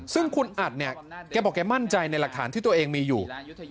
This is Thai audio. ซึ่งคุณอัดเนี่ยแกบอกแกมั่นใจในหลักฐานที่ตัวเองมีอยู่